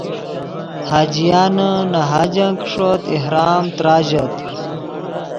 حاجیان نے حاجن کہ ݰوت احرام تراژت